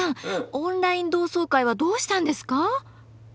オンライン同窓会はどうしたんですか？